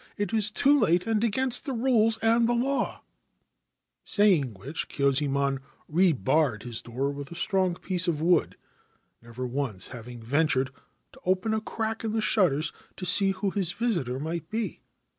' It is too late and against the rules and the law/ Saying which, Kyuzaemon rebarred his door with a strong piece of wood, never once having ventured to open a crack in the shutters to see who his visitor might be.